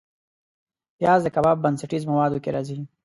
پیاز د کباب بنسټیز موادو کې راځي